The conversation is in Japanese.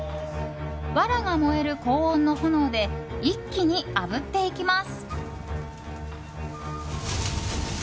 わらが燃える高温の炎で一気にあぶっていきます。